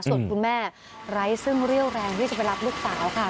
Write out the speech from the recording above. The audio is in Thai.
ส่วนคุณแม่ไร้ซึ่งเรี่ยวแรงที่จะไปรับลูกสาวค่ะ